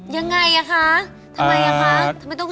ยังไงคะทำไมคะ